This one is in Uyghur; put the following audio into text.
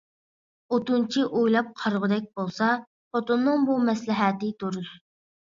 ئوتۇنچى ئويلاپ قارىغۇدەك بولسا، خوتۇنىنىڭ بۇ مەسلىھەتى دۇرۇس.